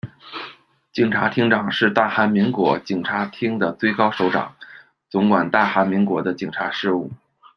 警察厅长是大韩民国警察厅的最高首长，总管大韩民国的警察事务。